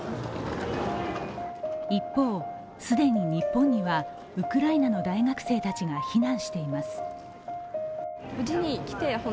一方、既に日本にはウクライナの大学生たちが避難しています。